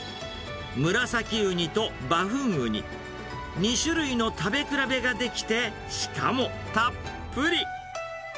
ムラサキウニとバフンウニ、２種類の食べ比べができて、しかもたっぷり。